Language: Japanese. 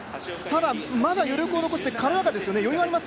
まだ余力を残して軽やかですね。